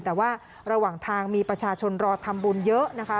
แต่ว่าระหว่างทางมีประชาชนรอทำบุญเยอะนะคะ